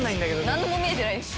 何も見えてないし。